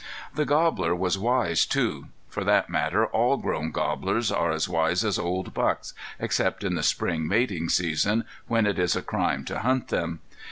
The gobbler was wise, too. For that matter all grown gobblers are as wise as old bucks, except in the spring mating season, when it is a crime to hunt them.